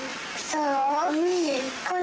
そう？